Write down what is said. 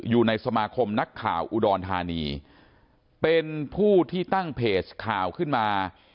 อยู่ในสมาคมนักข่าวอุดรธานีเป็นผู้ที่ตั้งเพจข่าวขึ้นมา